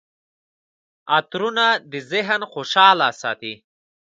عطرونه د ذهن خوشحاله ساتي.